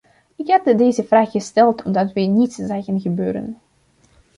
Ik had deze vraag gesteld omdat wij niets zagen gebeuren.